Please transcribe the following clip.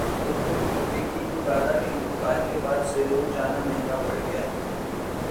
اجے دیوگن کی بیٹی کو دادا کے انتقال کے بعد سیلون جانا مہنگا پڑ گیا